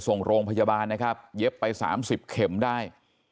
ส่งโรงพยาบาลนะครับเย็บไป๓๐เข็มได้